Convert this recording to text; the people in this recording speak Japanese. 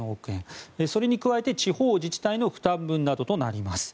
それに加えて地方自治体の負担分などとなります。